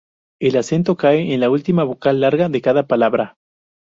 El acento cae en la última vocal larga de cada palabra.